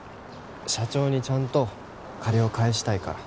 社長にちゃんと借りを返したいから。